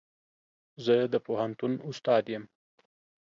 زه د پوهنتون استاد يم.